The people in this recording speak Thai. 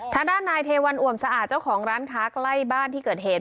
ทางด้านนายเทวันอ่วมสะอาดเจ้าของร้านค้าใกล้บ้านที่เกิดเหตุ